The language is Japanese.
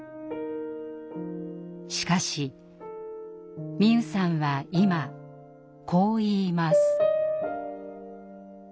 しかし美夢さんは今こう言います。